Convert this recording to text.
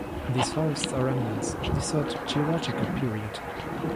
These forests are remnants of the third geological period.